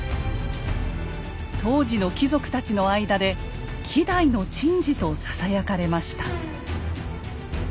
当時の貴族たちの間で「希代の珍事」とささやかれました。